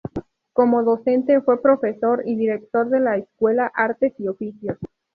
Como docente, fue profesor y director de la Escuela Artes y Oficios.